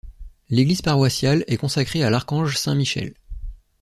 L'église paroissiale est consacrée à l'archange Saint-Michel.